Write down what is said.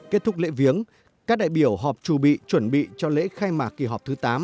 kết thúc lễ viếng các đại biểu họp trù bị chuẩn bị cho lễ khai mạc kỳ họp thứ tám